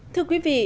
thưa quý vị